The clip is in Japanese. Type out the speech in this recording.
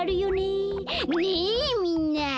ねえみんな。